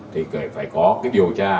thì phải có điều tra